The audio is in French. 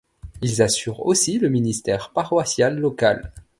Ils assurent aussi le ministère paroissial local.